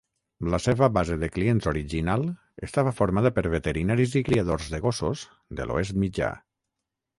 La seva base de clients original estava formada per veterinaris i criadors de gossos de l'Oest Mitjà.